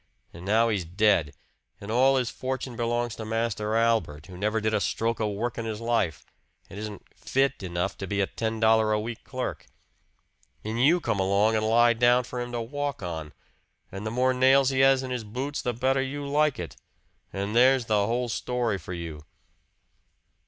And now he's dead, and all his fortune belongs to Master Albert, who never did a stroke of work in his life, and isn't 'fit' enough to be a ten dollar a week clerk. And you come along and lie down for him to walk on, and the more nails he has in his boots the better you like it! And there's the whole story for you!"